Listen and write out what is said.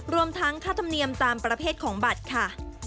รวมทั้งค่าธรรมเนียมตามประเภทของบัตรค่ะ